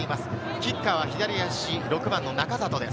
キッカーは左足、６番の仲里です。